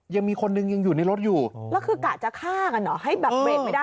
ยังมีคนหนึ่งยังอยู่ในรถอยู่แล้วคือกะจะฆ่ากันเหรอให้แบบเบรกไม่ได้